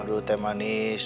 aduh teh manis